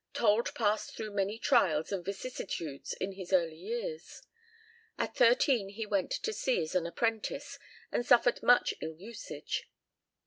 Told passed through many trials and vicissitudes in his early years. At thirteen he went to sea as an apprentice, and suffered much ill usage.